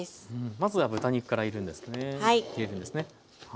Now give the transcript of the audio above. まずは豚肉から入れるんですね。